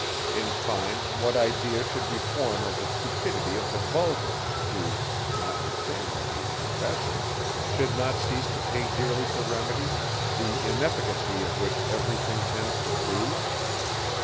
In fine, what idea should we form of the stupidity of the vulgar, who, notwithstanding these confessions, should not cease to pay dearly for remedies, the inefficacy of which every thing tends to prove?